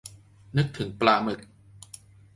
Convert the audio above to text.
นึกถึงปลาหมึก